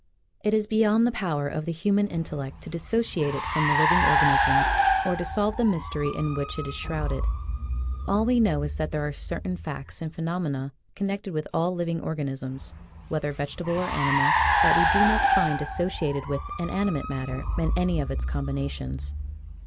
It is beyond the power of the human intellect to dissociate it from the living organisms, or to solve the mystery in which it is shrouded. All we know is that there are certain facts and phenomena connected with all living organisms, whether vegetable or animal, that we do not find associated with inanimate mat ter in any of its combinations.